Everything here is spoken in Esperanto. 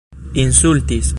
insultis